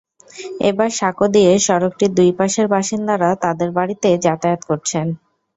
এসব সাঁকো দিয়ে সড়কটির দুই পাশের বাসিন্দারা তাঁদের বাড়িতে যাতায়াত করছেন।